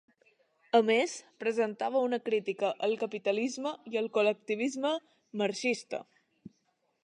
A més, presentava una crítica al capitalisme i al col·lectivisme marxista.